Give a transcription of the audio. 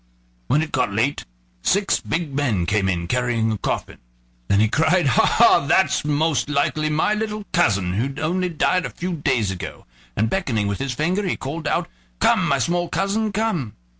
When it got late, six big men came in carrying a coffin. Then he cried: "Ha! ha! that's most likely my little cousin who only died a few days ago"; and beckoning with his finger he called out: "Come, my small cousin, come."